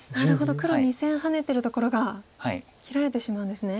黒２線ハネてるところが切られてしまうんですね。